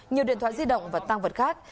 nhiều điện thoại di động và tăng vật khác